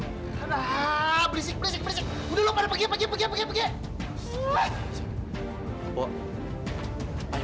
aaaa berisik berisik berisik udah lo pada pergi pergi pergi